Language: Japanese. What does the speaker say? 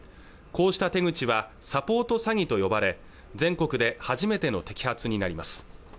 こうした手口はサポート詐欺と呼ばれ全国で初めての摘発になります